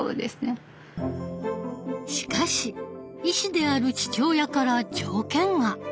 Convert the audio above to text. しかし医師である父親から条件が。